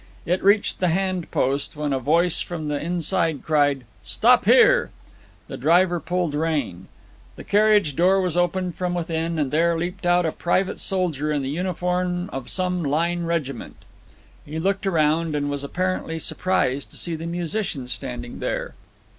It reached the hand post, when a voice from the inside cried, 'Stop here!' The driver pulled rein. The carriage door was opened from within, and there leapt out a private soldier in the uniform of some line regiment. He looked around, and was apparently surprised to see the musicians standing there.